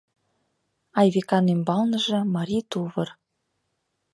Айвикан ӱмбалныже — марий тувыр.